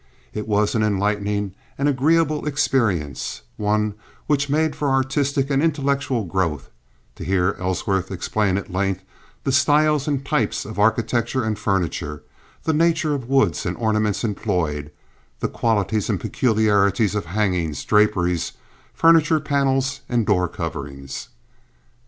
It was an enlightening and agreeable experience—one which made for artistic and intellectual growth—to hear Ellsworth explain at length the styles and types of architecture and furniture, the nature of woods and ornaments employed, the qualities and peculiarities of hangings, draperies, furniture panels, and door coverings.